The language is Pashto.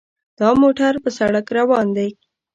دا موټر په سړک روان دی.